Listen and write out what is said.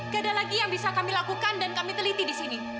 gak ada lagi yang bisa kami lakukan dan kami teliti di sini